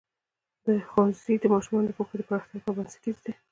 ښوونځی د ماشومانو د پوهې د پراختیا لپاره بنسټیز دی.